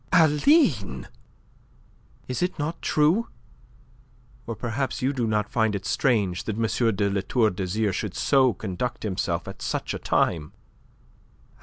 "Aline!" "Is it not true? Or perhaps you do not find it strange that M. de La Tour d'Azyr should so conduct himself at such a time?"